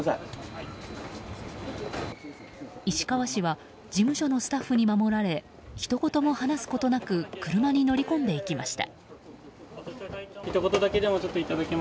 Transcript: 石川氏は事務所のスタッフに守られひと言も話すことなく車に乗り込んでいきました。